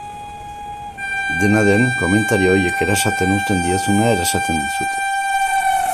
Dena den, komentario horiek erasaten uzten diezuna erasaten dizute.